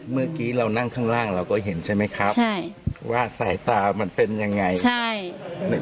เมื่อกี้เรานั่งข้างล่างเราก็เห็นใช่ไหมครับว่าสายตามันเป็นยังไงใช่